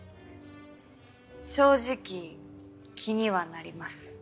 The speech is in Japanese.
正直気にはなります。